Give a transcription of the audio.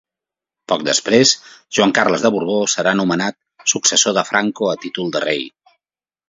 Poc després Joan Carles de Borbó serà nomenat successor de Franco a títol de Rei.